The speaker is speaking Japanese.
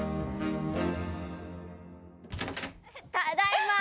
ただいま！